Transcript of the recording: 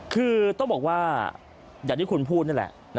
คือต้องบอกว่าอย่างที่คุณพูดนั่นแหละ